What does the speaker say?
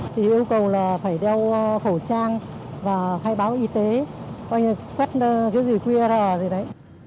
thì yêu cầu là phải đeo khẩu trang và khai báo y tế quét cái gì qr gì đấy